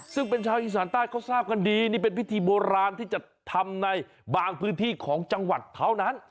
ซึ่งเป็นชาวอีสานใต้เขาทราบกันดีนี่เป็นพิธีโบราณที่จะทำในบางพื้นที่ของจังหวัดเท่านั้น